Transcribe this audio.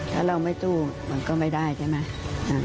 ถ้าเราไม่สู้มันก็ไม่ได้ใช่ไหม